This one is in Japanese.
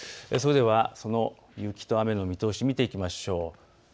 それでは雪と雨の見通しを見ていきましょう。